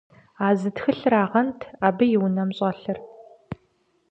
А зы тхылъырагъэнт абы и унэм щӀэлъыр.